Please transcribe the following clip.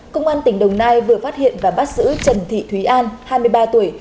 công an tỉnh đồng nai vừa phát hiện và bắt giữ trần thị thúy an hai mươi ba tuổi